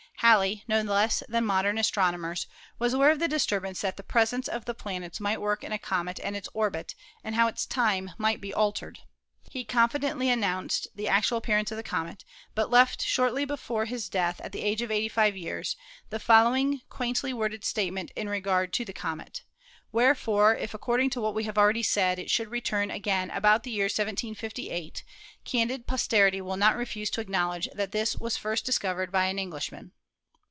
Halley, no less than modern astron omers, was aware of the disturbance that the presence of the planets might work in a comet and its orbit, and how its time might be altered. He confidently announced the actual appearance of the comet, but left shortly before his death, at the age of 85 years, the following quaintly worded statement in regard to the comet : "Wherefore, if according to what we have already said, it should return again about the year 1758, candid posterity will not refuse to acknowledge that this was first discovered by an Eng 234 ASTRONOMY lishman."